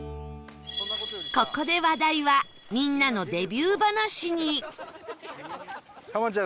ここで話題はみんなのデビュー話に